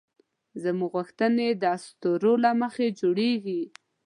زموږ غوښتنې د اسطورو له مخې جوړېږي.